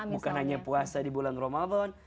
bukan hanya puasa di bulan ramadan